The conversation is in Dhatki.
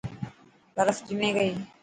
برف جمي گئي.